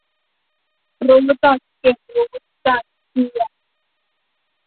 รู้จักเก็บรู้จักเขี่ย